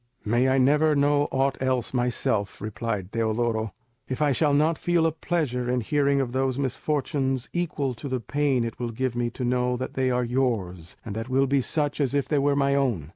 "May I never know aught else myself," replied Teodoro, "if I shall not feel a pleasure in hearing of those misfortunes equal to the pain it will give me to know that they are yours, and that will be such as if they were my own."